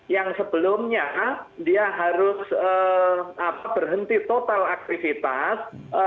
yang sebelumnya dia harus berhenti total aktivitas